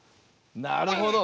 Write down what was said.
なるほど。